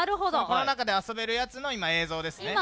この中で遊べるやつの映像ですね。